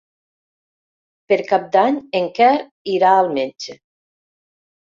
Per Cap d'Any en Quer irà al metge.